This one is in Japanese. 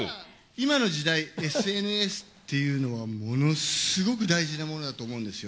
今の時代、ＳＮＳっていうのはものすごく大事なものだと思うんですよ。